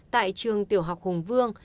tại trường tiểu học hùng vương